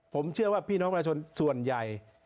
ผมเชื่อว่าพี่น้องประชาชนส่วนใหญ่